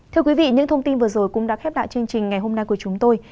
thưa quý vị những thông tin vừa rồi cũng đã khép lại chương trình ngày hôm nay của chúng tôi